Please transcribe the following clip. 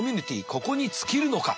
ここに尽きるのか。